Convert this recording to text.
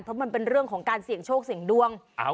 เพราะมันเป็นเรื่องของการเสี่ยงโชคเสี่ยงดวง